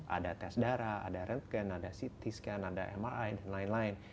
ada tes darah ada rencan ada ct scan ada mmi dan lain lain